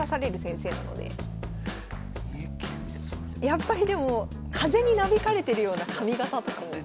やっぱりでも風になびかれてるような髪形とかも。